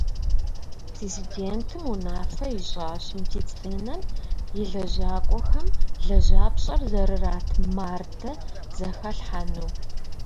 Президентым унафэ ищӀащ медицинэм и лэжьакӀуэхэм лэжьапщӀэр зэрырат мардэ зэхалъхьэну.